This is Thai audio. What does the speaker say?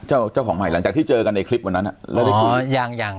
เจ้าเจ้าของใหม่หลังจากที่เจอกันในคลิปวันนั้นอ่ะอ๋อยังยัง